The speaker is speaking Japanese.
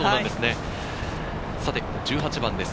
１８番です。